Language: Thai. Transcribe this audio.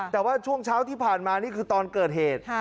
แต่ว่าช่วงเช้าที่ผ่านมานี่คือตอนเกิดเหตุ